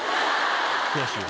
悔しいわ。